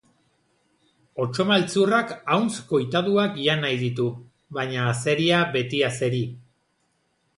Otso maltzurrak ahuntz koitaduak jan nahi ditu, baina azeria beti azeri!